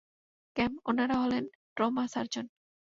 ক্যাম, ওনারা হলেন trauma surgeon.